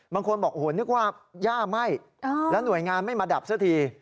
บางคนบอกโอ้โหนึกว่าย่าไหม้แล้วหน่วยงานไม่มาดับซะที